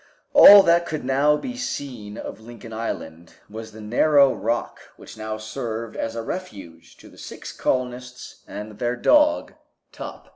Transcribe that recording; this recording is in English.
All that could now be seen of Lincoln Island was the narrow rock which now served as a refuge to the six colonists and their dog Top.